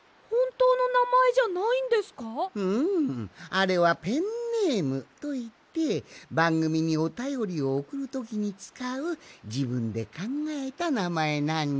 あれはペンネームといってばんぐみにおたよりをおくるときにつかうじぶんでかんがえたなまえなんじゃ。